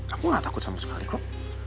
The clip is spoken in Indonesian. kamu gak takut sama sekali kok